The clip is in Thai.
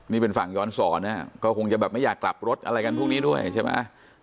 นี่เป็นฝั่งย้อนสอนนะก็คงจะแบบไม่อยากกลับรถอะไรกันพวกนี้ด้วยใช่ไหม